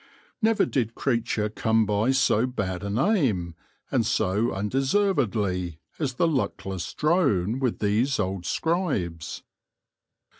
* Never did creature come by so bad a name, and so undeservedly, as the luckless drone with these old scribes.